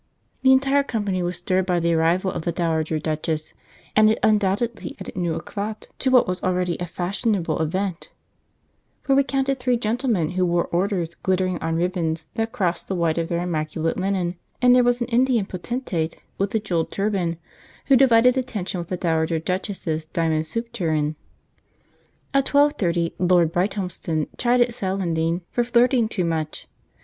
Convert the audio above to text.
The entire company was stirred by the arrival of the dowager duchess, and it undoubtedly added new eclat to what was already a fashionable event; for we counted three gentlemen who wore orders glittering on ribbons that crossed the white of their immaculate linen, and there was an Indian potentate with a jewelled turban who divided attention with the dowager duchess's diamond soup tureen. At twelve thirty Lord Brighthelmston chided Celandine for flirting too much.